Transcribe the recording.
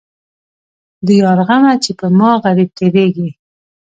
د یار غمه چې پر ما غريب تېرېږي.